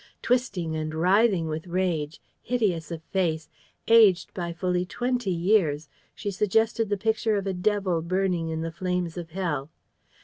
Twisting and writhing with rage, hideous of face, aged by fully twenty years, she suggested the picture of a devil burning in the flames of hell.